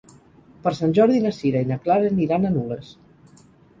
Per Sant Jordi na Sira i na Clara aniran a Nules.